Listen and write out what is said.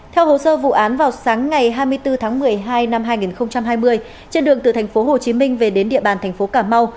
theo hồ sơ vụ án vào sáng ngày hai mươi bốn tháng một mươi hai năm hai nghìn hai mươi trên đường từ tp hồ chí minh về đến địa bàn tp cà mau